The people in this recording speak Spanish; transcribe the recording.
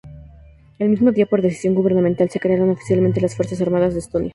El mismo día por decisión gubernamental, se crearon oficialmente las Fuerzas armadas de Estonia.